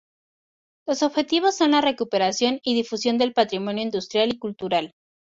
Los objetivos son la recuperación y difusión del patrimonio industrial y cultural.